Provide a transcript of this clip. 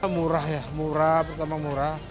murah ya murah pertama murah